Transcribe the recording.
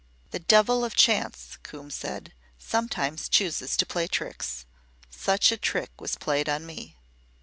"The devil of chance," Coombe said, "sometimes chooses to play tricks. Such a trick was played on me."